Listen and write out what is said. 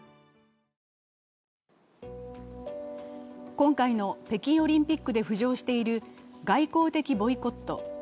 今回の北京オリンピックで浮上している外交的ボイコット。